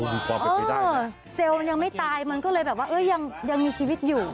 เออเซลล์มันยังไม่ตายมันก็เลยแบบว่ายังมีชีวิตอยู่